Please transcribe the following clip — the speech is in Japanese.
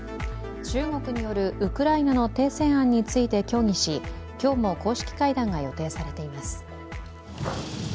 中国によるウクライナの停戦案について協議し、今日も、公式会談が予定されています。